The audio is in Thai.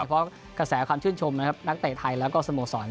ภาษาความชื่นชมนักเตะไทยและสโมสร